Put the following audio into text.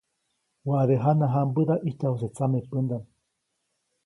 Waʼade jana jãmbäda ʼijtyajuse tsamepändaʼm.